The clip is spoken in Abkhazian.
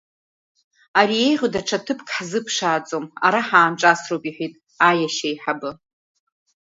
Ари еиӷьу даҽа ҭыԥк ҳзыԥшааӡом, ара ҳаанҿасроуп, — иҳәеит аиашьа аиҳабы.